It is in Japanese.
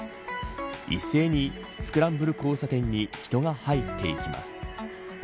一斉にスクランブル交差点に人が入っていきます。